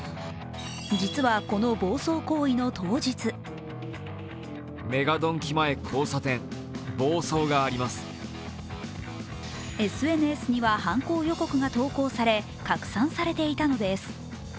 実は、この暴走行為の当日ＳＮＳには犯行予告が投稿され拡散されていたのです。